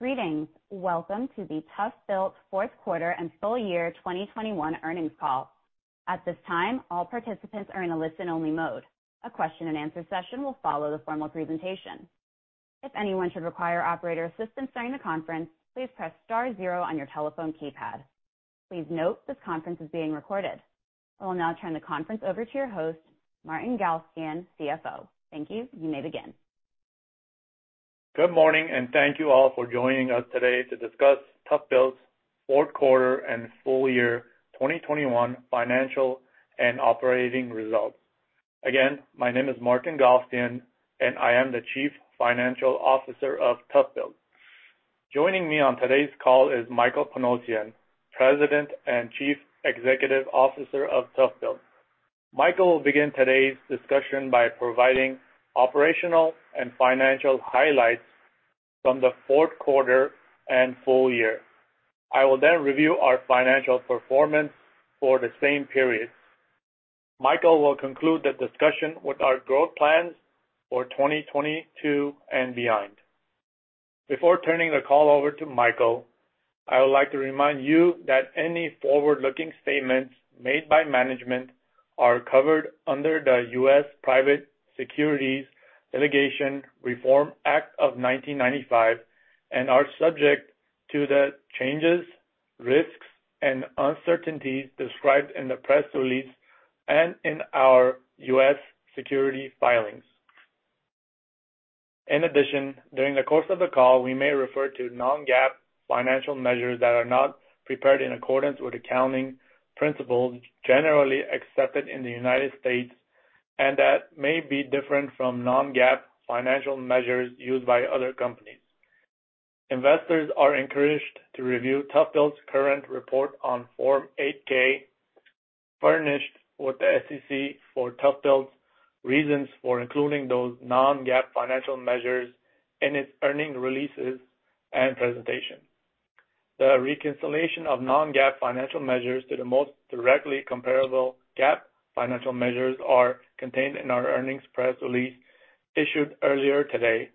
Greetings. Welcome to the ToughBuilt Q4 and Full Year 2021 Earnings Call. At this time, all participants are in a listen-only mode. A question and answer session will follow the formal presentation. If anyone should require operator assistance during the conference, please press star zero on your telephone keypad. Please note this conference is being recorded. I will now turn the conference over to your host, Martin Galstyan, CFO. Thank you. You may begin. Good morning, and thank you all for joining us today to discuss ToughBuilt's Q4 and full year 2021 financial and operating results. Again, my name is Martin Galstyan, and I am the Chief Financial Officer of ToughBuilt. Joining me on today's call is Michael Panosian, President and Chief Executive Officer of ToughBuilt. Michael will begin today's discussion by providing operational and financial highlights from the Q4 and full year. I will then review our financial performance for the same period. Michael will conclude the discussion with our growth plans for 2022 and beyond. Before turning the call over to Michael, I would like to remind you that any forward-looking statements made by management are covered under the U.S. Private Securities Litigation Reform Act of 1995 and are subject to the changes, risks, and uncertainties described in the press release and in our U.S. securities filings. In addition, during the course of the call, we may refer to non-GAAP financial measures that are not prepared in accordance with accounting principles generally accepted in the United States and that may be different from non-GAAP financial measures used by other companies. Investors are encouraged to review ToughBuilt's current report on Form 8-K, furnished with the SEC for ToughBuilt's reasons for including those non-GAAP financial measures in its earnings releases and presentation. The reconciliation of non-GAAP financial measures to the most directly comparable GAAP financial measures are contained in our earnings press release issued earlier today,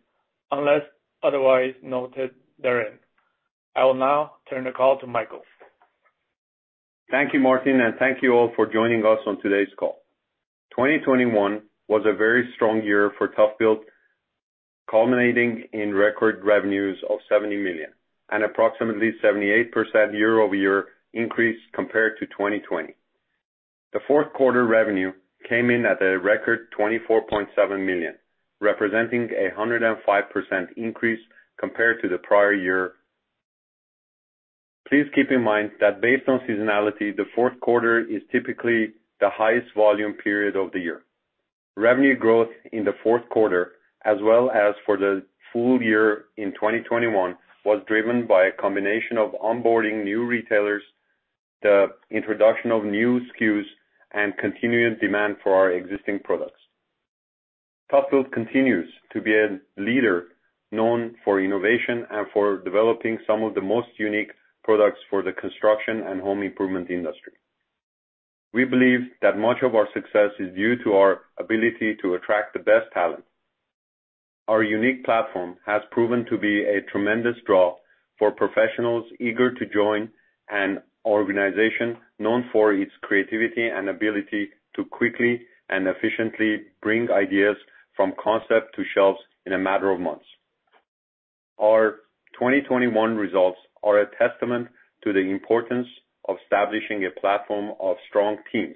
unless otherwise noted therein. I will now turn the call to Michael. Thank you, Martin, and thank you all for joining us on today's call. 2021 was a very strong year for ToughBuilt, culminating in record revenues of $70 million, an approximately 78% year-over-year increase compared to 2020. The Q4 revenue came in at a record $24.7 million, representing a 105% increase compared to the prior year. Please keep in mind that based on seasonality, the Q4 is typically the highest volume period of the year. Revenue growth in the Q4, as well as for the full year in 2021, was driven by a combination of onboarding new retailers, the introduction of new SKUs, and continued demand for our existing products. ToughBuilt continues to be a leader known for innovation and for developing some of the most unique products for the construction and home improvement industry. We believe that much of our success is due to our ability to attract the best talent. Our unique platform has proven to be a tremendous draw for professionals eager to join an organization known for its creativity and ability to quickly and efficiently bring ideas from concept to shelves in a matter of months. Our 2021 results are a testament to the importance of establishing a platform of strong teams,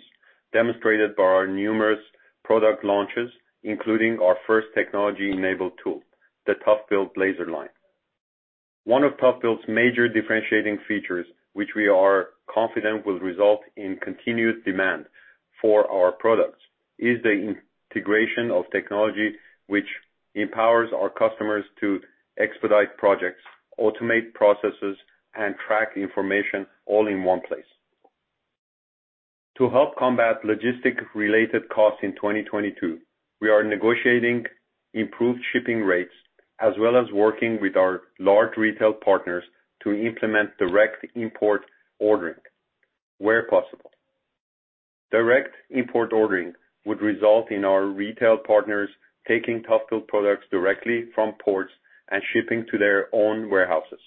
demonstrated by our numerous product launches, including our first technology-enabled tool, the ToughBuilt Laser Level. One of ToughBuilt's major differentiating features, which we are confident will result in continued demand for our products, is the integration of technology which empowers our customers to expedite projects, automate processes, and track information all in one place. To help combat logistic-related costs in 2022, we are negotiating improved shipping rates as well as working with our large retail partners to implement direct import ordering where possible. Direct import ordering would result in our retail partners taking ToughBuilt products directly from ports and shipping to their own warehouses.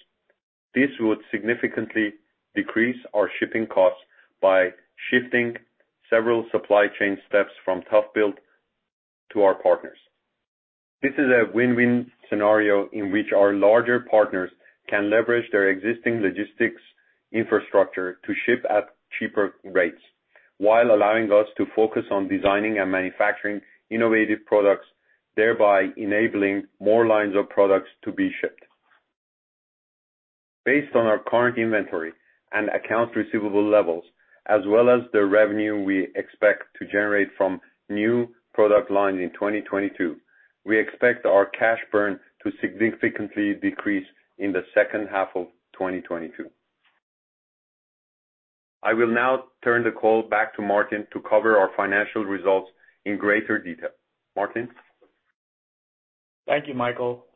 This would significantly decrease our shipping costs by shifting several supply chain steps from ToughBuilt to our partners. This is a win-win scenario in which our larger partners can leverage their existing logistics infrastructure to ship at cheaper rates while allowing us to focus on designing and manufacturing innovative products, thereby enabling more lines of products to be shipped. Based on our current inventory and accounts receivable levels, as well as the revenue we expect to generate from new product lines in 2022, we expect our cash burn to significantly decrease in the second half of 2022. I will now turn the call back to Martin to cover our financial results in greater detail. Martin? Thank you, Michael.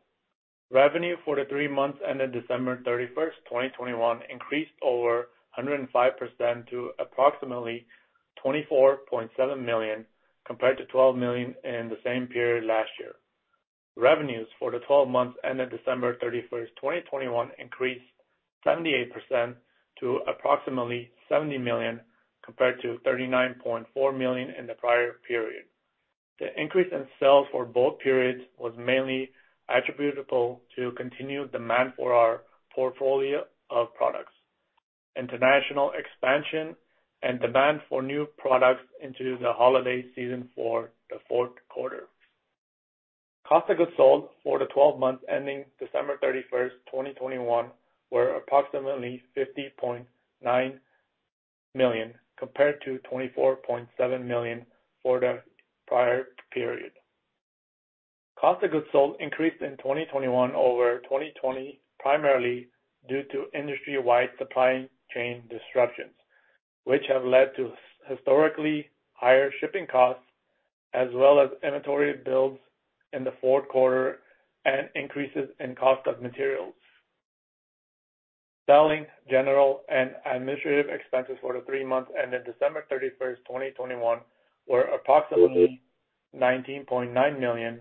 Revenue for the three months ended December 31, 2021 increased over 105% to approximately $24.7 million compared to $12 million in the same period last year. Revenues for the twelve months ended December 31, 2021 increased 78% to approximately $70 million, compared to $39.4 million in the prior period. The increase in sales for both periods was mainly attributable to continued demand for our portfolio of products, international expansion, and demand for new products into the holiday season for the Q4. Cost of goods sold for the twelve months ending December 31, 2021 were approximately $50.9 million, compared to $24.7 million for the prior period. Cost of goods sold increased in 2021 over 2020, primarily due to industry-wide supply chain disruptions, which have led to historically higher shipping costs, as well as inventory builds in the Q4 and increases in cost of materials. Selling, general, and administrative expenses for the three months ended December 31, 2021 were approximately $19.9 million,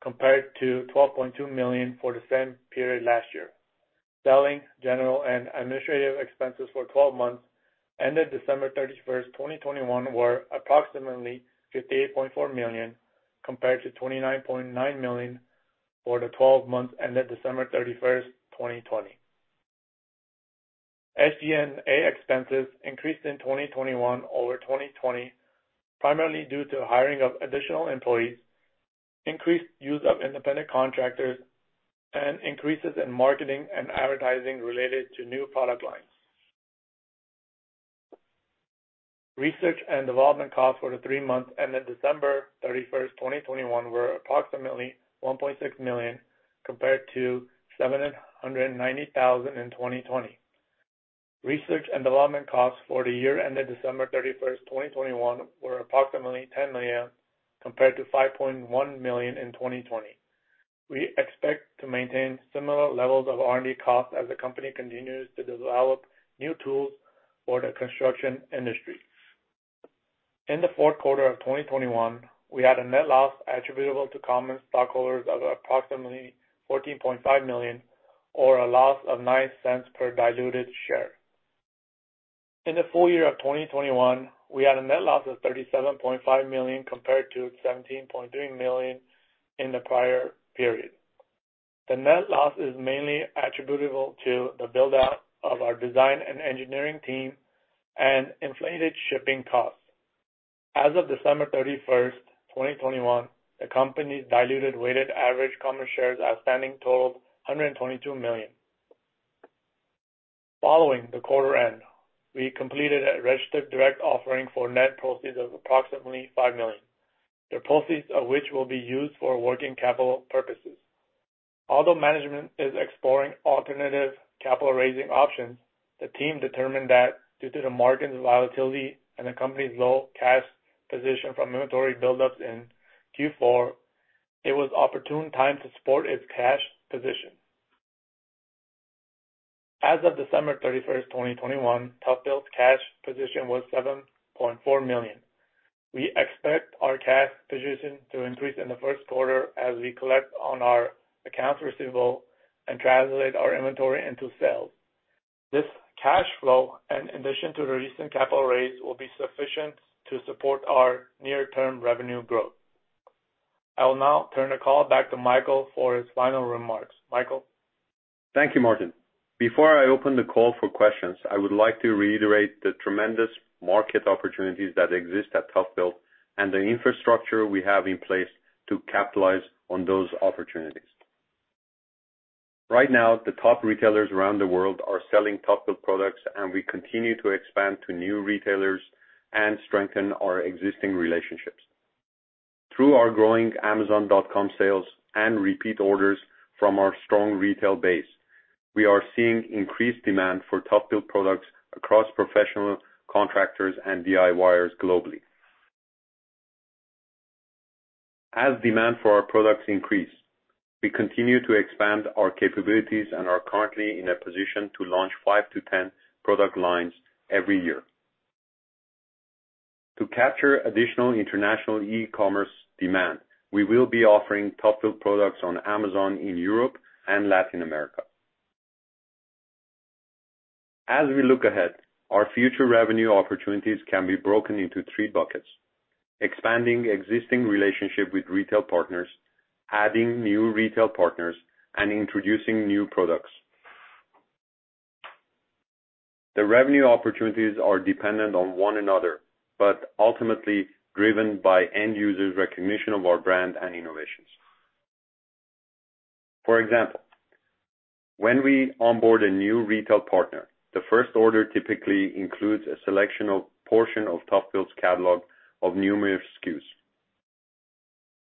compared to $12.2 million for the same period last year. Selling, general, and administrative expenses for twelve months ended December 31, 2021 were approximately $58.4 million, compared to $29.9 million for the twelve months ended December 31, 2020. SG&A expenses increased in 2021 over 2020, primarily due to hiring of additional employees, increased use of independent contractors, and increases in marketing and advertising related to new product lines. Research and development costs for the three months ended December 31, 2021 were approximately $1.6 million, compared to $790,000 in 2020. Research and development costs for the year ended December 31, 2021 were approximately $10 million, compared to $5.1 million in 2020. We expect to maintain similar levels of R&D costs as the company continues to develop new tools for the construction industry. In the Q4 of 2021, we had a net loss attributable to common stockholders of approximately $14.5 million or a loss of $0.09 per diluted share. In the full year of 2021, we had a net loss of $37.5 million compared to $17.3 million in the prior period. The net loss is mainly attributable to the build-out of our design and engineering team and inflated shipping costs. As of December 31, 2021, the company's diluted weighted average common shares outstanding totaled 122 million. Following the quarter end, we completed a registered direct offering for net proceeds of approximately $5 million, the proceeds of which will be used for working capital purposes. Although management is exploring alternative capital-raising options, the team determined that due to the market volatility and the company's low cash position from inventory buildups in Q4, it was an opportune time to support its cash position. As of December 31, 2021, ToughBuilt's cash position was $7.4 million. We expect our cash position to increase in the Q1 as we collect on our accounts receivable and translate our inventory into sales. This cash flow, in addition to the recent capital raise, will be sufficient to support our near-term revenue growth. I will now turn the call back to Michael for his final remarks. Michael? Thank you, Martin. Before I open the call for questions, I would like to reiterate the tremendous market opportunities that exist at ToughBuilt and the infrastructure we have in place to capitalize on those opportunities. Right now, the top retailers around the world are selling ToughBuilt products, and we continue to expand to new retailers and strengthen our existing relationships. Through our growing Amazon.com sales and repeat orders from our strong retail base, we are seeing increased demand for ToughBuilt products across professional contractors and DIYers globally. As demand for our products increase, we continue to expand our capabilities and are currently in a position to launch 5-10 product lines every year. To capture additional international e-commerce demand, we will be offering ToughBuilt products on Amazon in Europe and Latin America. As we look ahead, our future revenue opportunities can be broken into three buckets: expanding existing relationship with retail partners, adding new retail partners, and introducing new products. The revenue opportunities are dependent on one another, but ultimately driven by end users' recognition of our brand and innovations. For example, when we onboard a new retail partner, the first order typically includes a selection or portion of ToughBuilt's catalog of numerous SKUs.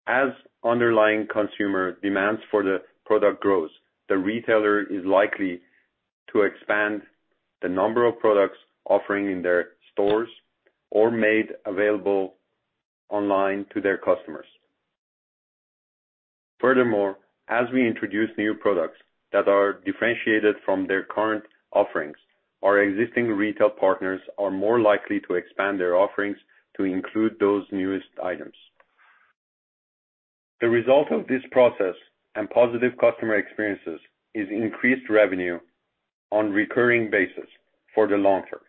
As underlying consumer demands for the product grows, the retailer is likely to expand the number of products offered in their stores or made available online to their customers. Furthermore, as we introduce new products that are differentiated from their current offerings, our existing retail partners are more likely to expand their offerings to include those newest items. The result of this process and positive customer experiences is increased revenue on a recurring basis for the long term.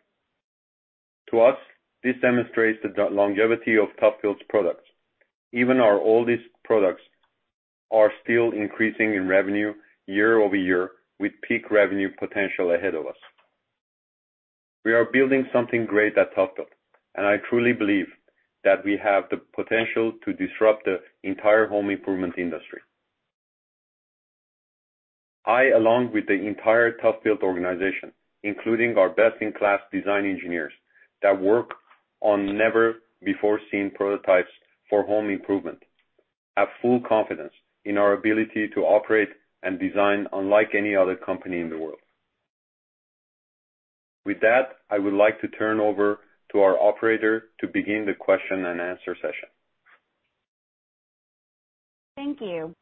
To us, this demonstrates the longevity of ToughBuilt products. Even our oldest products are still increasing in revenue year over year with peak revenue potential ahead of us. We are building something great at ToughBuilt, and I truly believe that we have the potential to disrupt the entire home improvement industry. I, along with the entire ToughBuilt organization, including our best-in-class design engineers that work on never-before-seen prototypes for home improvement, have full confidence in our ability to operate and design unlike any other company in the world. With that, I would like to turn over to our operator to begin the question and answer session. Thank you.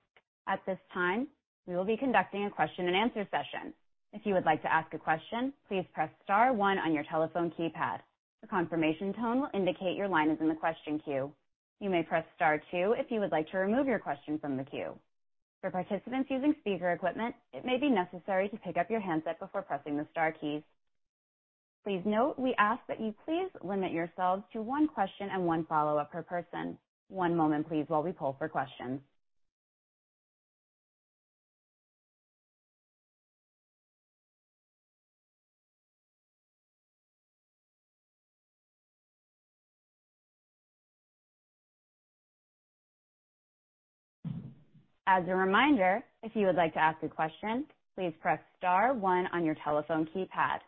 At this time, we will be conducting a question and answer session. If you would like to ask a question, please press star one on your telephone keypad. A confirmation tone will indicate your line is in the question queue. You may press star two if you would like to remove your question from the queue. For participants using speaker equipment, it may be necessary to pick up your handset before pressing the star keys. Please note we ask that you please limit yourselves to one question and one follow-up per person. One moment, please, while we poll for questions. As a reminder, if you would like to ask a question, please press star one on your telephone keypad.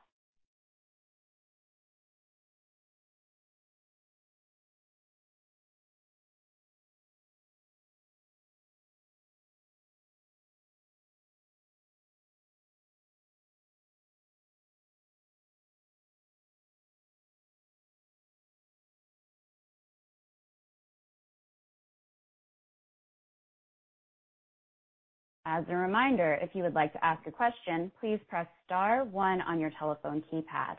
As a reminder, if you would like to ask a question, please press star one on your telephone keypad.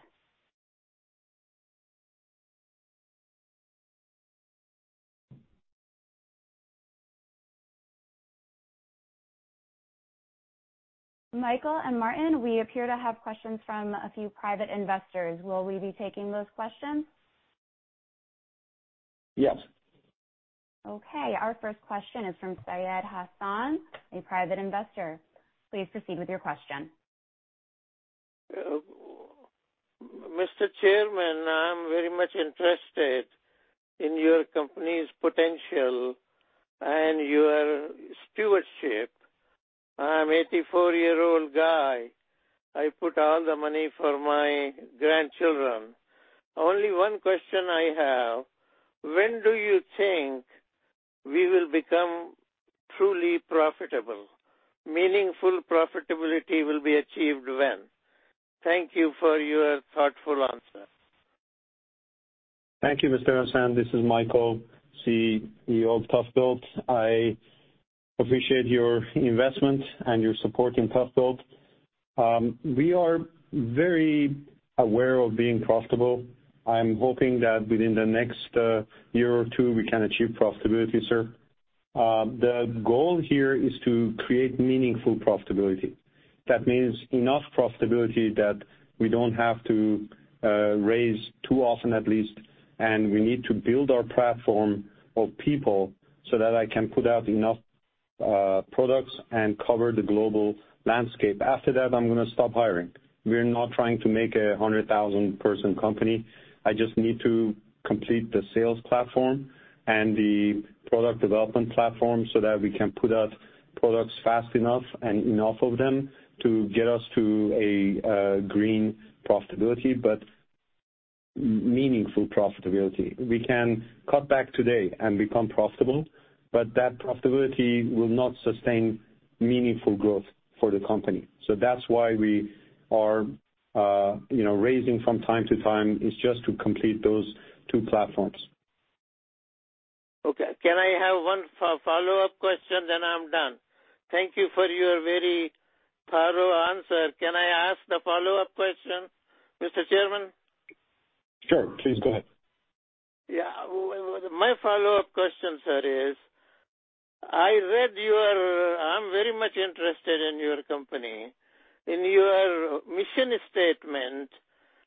Michael and Martin, we appear to have questions from a few private investors. Will we be taking those questions? Yes. Okay. Our first question is from Sayed Hassan, a private investor. Please proceed with your question. Mr. Chairman, I'm very much interested in your company's potential and your stewardship. I'm an 84-year-old guy. I put all the money for my grandchildren. Only one question I have, when do you think we will become truly profitable? Meaningful profitability will be achieved when? Thank you for your thoughtful answer. Thank you, Mr. Hassan. This is Michael, CEO of ToughBuilt. I appreciate your investment and your support in ToughBuilt. We are very aware of being profitable. I'm hoping that within the next year or two we can achieve profitability, sir. The goal here is to create meaningful profitability. That means enough profitability that we don't have to raise too often at least, and we need to build our platform of people so that I can put out enough products and cover the global landscape. After that, I'm gonna stop hiring. We're not trying to make a 100,000-person company. I just need to complete the sales platform and the product development platform so that we can put out products fast enough and enough of them to get us to a green profitability, but meaningful profitability. We can cut back today and become profitable, but that profitability will not sustain meaningful growth for the company. That's why we are raising from time to time, is just to complete those two platforms. Okay. Can I have one follow-up question then I'm done. Thank you for your very thorough answer. Can I ask the follow-up question, Mr. Chairman? Sure. Please go ahead. Well, my follow-up question, sir, is, I read your. I'm very much interested in your company. In your mission statement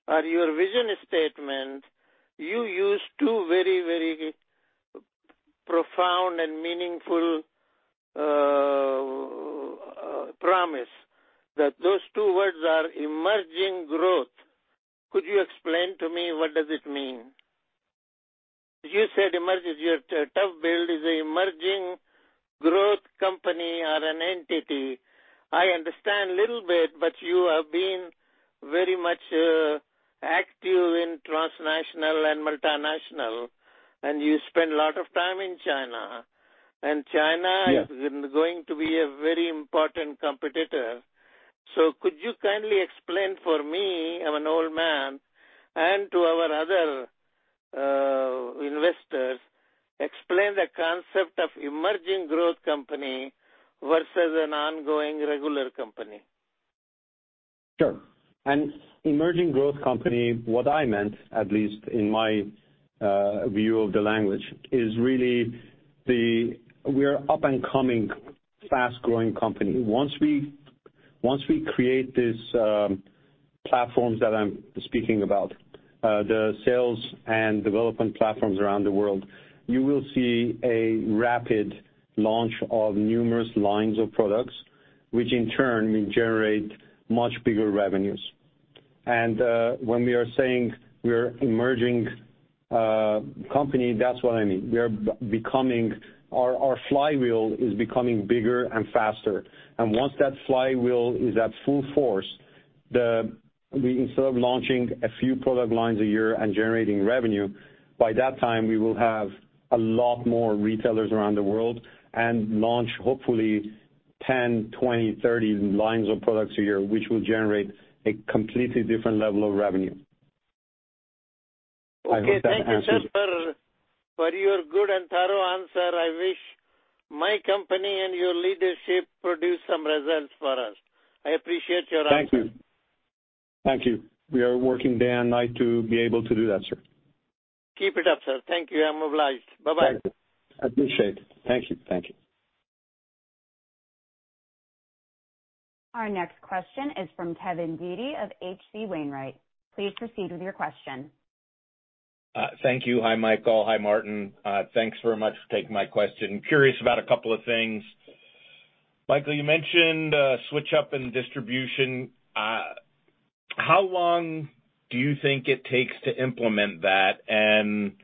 or your vision statement, you use two very, very profound and meaningful promise. Those two words are emerging growth. Could you explain to me what does it mean? You said emerges, your ToughBuilt is a emerging growth company or an entity. I understand little bit, but you have been very much active in transnational and multinational, and you spend a lot of time in China. China Yes. is going to be a very important competitor. Could you kindly explain for me, I'm an old man, and to our other investors, the concept of emerging growth company versus an ongoing regular company. Sure. An emerging growth company, what I meant, at least in my view of the language, is really we are up and coming fast-growing company. Once we create these platforms that I'm speaking about, the sales and development platforms around the world, you will see a rapid launch of numerous lines of products, which in turn will generate much bigger revenues. When we are saying we are emerging company, that's what I mean. We are becoming. Our flywheel is becoming bigger and faster. Once that flywheel is at full force, instead of launching a few product lines a year and generating revenue, by that time, we will have a lot more retailers around the world and launch hopefully 10, 20, 30 lines of products a year, which will generate a completely different level of revenue. I hope that answers it. Okay. Thank you, sir, for your good and thorough answer. I wish my company and your leadership produce some results for us. I appreciate your answer. Thank you. Thank you. We are working day and night to be able to do that, sir. Keep it up, sir. Thank you. I'm mobilized. Bye-bye. Thank you. Appreciate it. Thank you. Thank you. Our next question is from Kevin Dede of H.C. Wainwright. Please proceed with your question. Thank you. Hi, Michael. Hi, Martin. Thanks very much for taking my question. Curious about a couple of things. Michael, you mentioned a switch up in distribution. How long do you think it takes to implement that?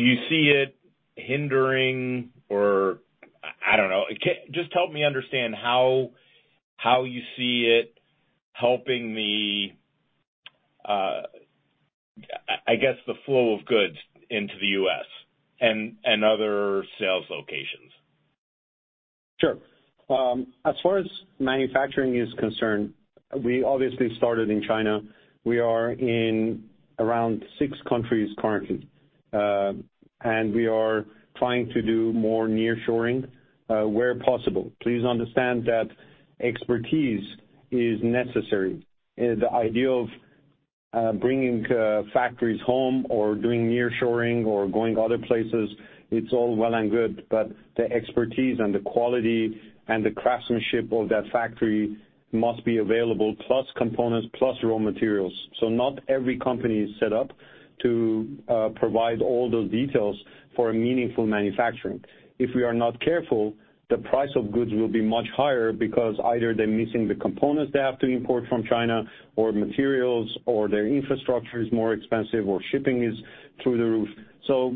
Do you see it hindering or I don't know. Just help me understand how you see it helping the, I guess, the flow of goods into the U.S. and other sales locations. Sure. As far as manufacturing is concerned, we obviously started in China. We are in around six countries currently, and we are trying to do more nearshoring, where possible. Please understand that expertise is necessary. The idea of bringing factories home or doing nearshoring or going other places, it's all well and good, but the expertise and the quality and the craftsmanship of that factory must be available, plus components, plus raw materials. Not every company is set up to provide all those details for a meaningful manufacturing. If we are not careful, the price of goods will be much higher because either they're missing the components they have to import from China or materials or their infrastructure is more expensive or shipping is through the roof.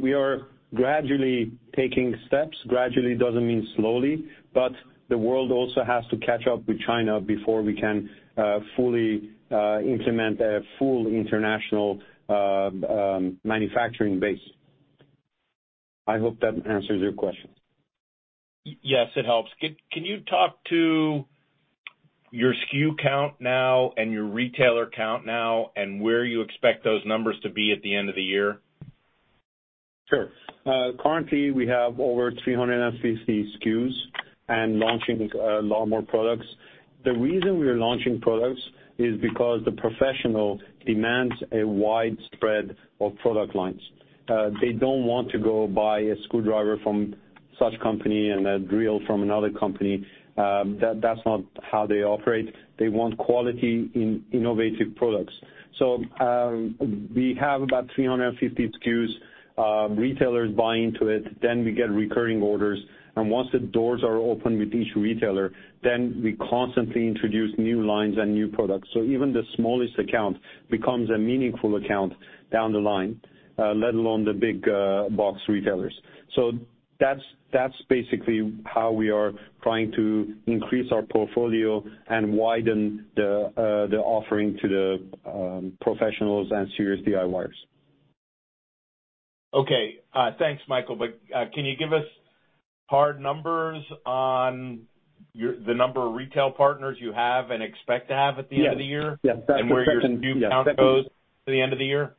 We are gradually taking steps. Gradually doesn't mean slowly, but the world also has to catch up with China before we can fully implement a full international manufacturing base. I hope that answers your question. Yes, it helps. Can you talk to your SKU count now and your retailer count now and where you expect those numbers to be at the end of the year? Sure. Currently, we have over 350 SKUs and launching a lot more products. The reason we are launching products is because the professional demands a wide spread of product lines. They don't want to go buy a screwdriver from such company and a drill from another company. That's not how they operate. They want quality in innovative products. We have about 350 SKUs. Retailers buy into it, then we get recurring orders. Once the doors are open with each retailer, then we constantly introduce new lines and new products. Even the smallest account becomes a meaningful account down the line, let alone the big box retailers. That's basically how we are trying to increase our portfolio and widen the offering to the professionals and serious DIYers. Okay. Thanks, Michael. Can you give us hard numbers on the number of retail partners you have and expect to have at the end of the year? Yes. Yes. Where your SKU count goes to the end of the year?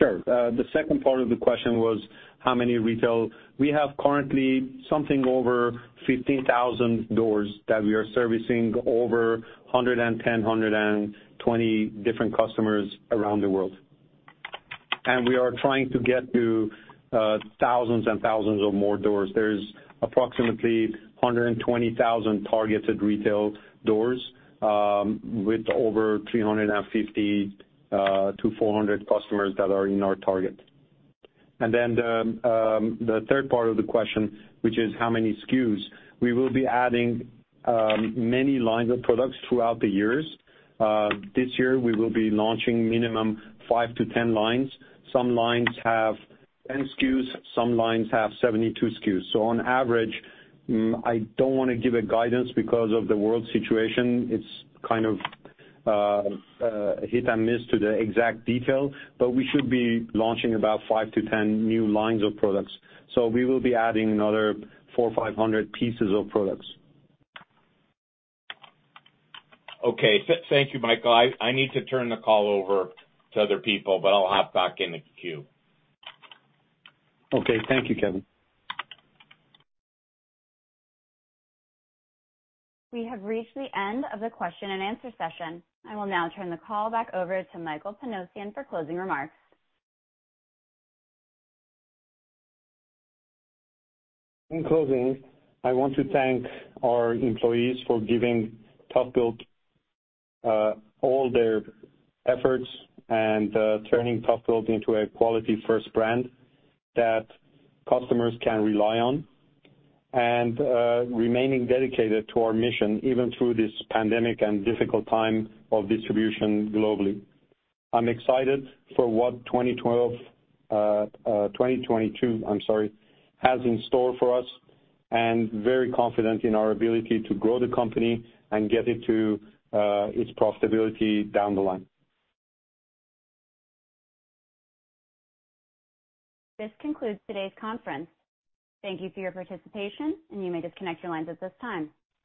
Sure. The second part of the question was how many retail. We have currently something over 15,000 doors that we are servicing over 110, 120 different customers around the world. We are trying to get to thousands and thousands of more doors. There's approximately 120,000 targeted retail doors with over 350-400 customers that are in our target. The third part of the question, which is how many SKUs, we will be adding many lines of products throughout the years. This year, we will be launching minimum 5-10 lines. Some lines have 10 SKUs, some lines have 72 SKUs. On average, I don't wanna give a guidance because of the world situation. It's kind of hit-and-miss to the exact detail, but we should be launching about 5-10 new lines of products. We will be adding another 400-500 pieces of products. Okay. Thank you, Michael. I need to turn the call over to other people, but I'll hop back in the queue. Okay. Thank you, Kevin. We have reached the end of the question and answer session. I will now turn the call back over to Michael Panosian for closing remarks. In closing, I want to thank our employees for giving ToughBuilt all their efforts and turning ToughBuilt into a quality-first brand that customers can rely on, and remaining dedicated to our mission, even through this pandemic and difficult time of distribution globally. I'm excited for what 2022 has in store for us, and very confident in our ability to grow the company and get it to its profitability down the line. This concludes today's conference. Thank you for your participation, and you may disconnect your lines at this time.